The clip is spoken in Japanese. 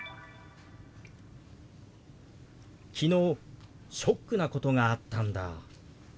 「昨日ショックなことがあったんだ」。